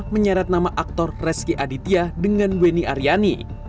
menyeret nama aktor reski aditya dengan weni aryani